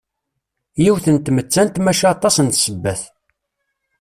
Yiwet n tmettant maca aṭas n ssebbat.